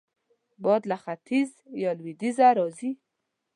باد له ختیځ یا لوېدیځه راځي